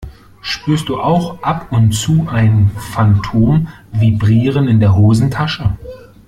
Spürst du auch ab und zu ein Phantomvibrieren in der Hosentasche?